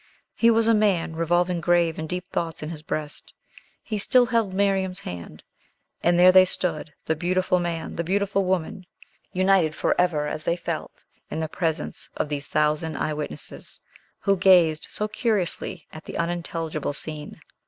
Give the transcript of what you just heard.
He was a man, revolving grave and deep thoughts in his breast. He still held Miriam's hand; and there they stood, the beautiful man, the beautiful woman, united forever, as they felt, in the presence of these thousand eye witnesses, who gazed so curiously at the unintelligible scene.